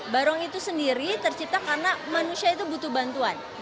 barong itu sendiri tercipta karena manusia itu butuh bantuan